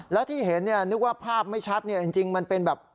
แล้วที่เห็นเนี่ยนึกว่าภาพไม่ชัดจริงมันเป็นแบบ